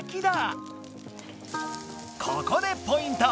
ここでポイント。